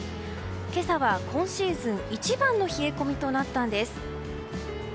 今朝は今シーズン一番の冷え込みとなったんです。